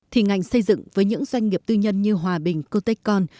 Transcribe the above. thì ngành xây dựng với những doanh nghiệp tư nhân như hòa bình cotecon